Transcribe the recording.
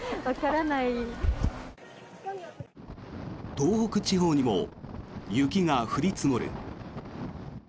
東北地方にも雪が降り積もる。